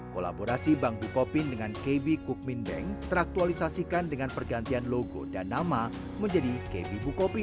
kolaborasi bank bukopin dengan kb kukmin bank teraktualisasikan dengan pergantian logo dan nama menjadi kb bukopin